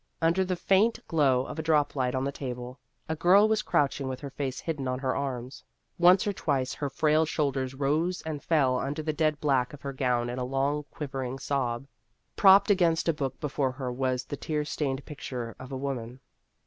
Under the faint glow of a droplight on the table, a girl was crouching with her face hidden on her arms. Once or twice her frail shoul ders rose and fell under the dead black of her gown in a long, quivering sob. Propped against a book before her was the tear stained picture of a woman.